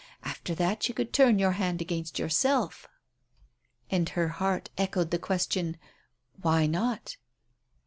After that you could turn your hand against yourself." And her heart echoed the question, "Why not?"